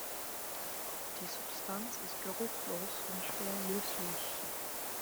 Die Substanz ist geruchlos und schwer löslich.